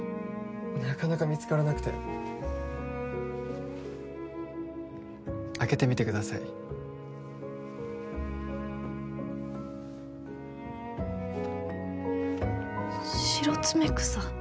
なかなか見つからなくて開けてみてくださいシロツメクサ？